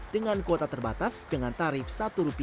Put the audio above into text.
dengan kuota terbatas dengan tarif rp satu